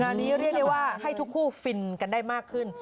งานนี้เรียกได้ว่าให้ทุกคู่ฟินกันได้มากขึ้น